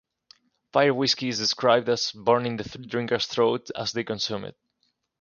Firewhisky is described as burning the drinkers' throats as they consume it.